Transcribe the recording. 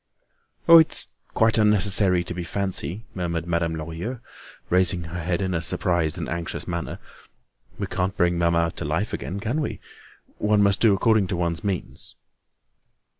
"Oh! it's quite unnecessary to be fancy," murmured Madame Lorilleux, raising her head in a surprised and anxious manner. "We can't bring mamma to life again, can we? One must do according to one's means."